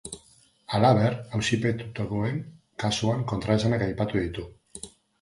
Halaber, auzipetutakoen kasuan kontraesanak aipatu ditu.